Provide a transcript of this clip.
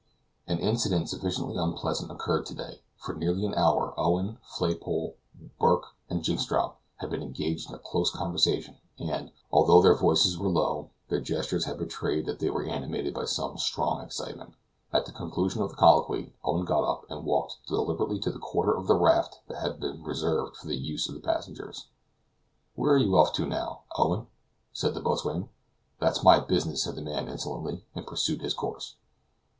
An incident sufficiently unpleasant occurred to day. For nearly an hour Owen, Flaypole, Burke and Jynxstrop had been engaged in close conversation and, although their voices were low, their gestures had betrayed that they were animated by some strong excitement. At the conclusion of the colloquy Owen got up and walked deliberately to the quarter of the raft that has been reserved for the use of the passengers. "Where are you off to now, Owen?" said the boatswain. "That's my business," said the man insolently, and pursued his course.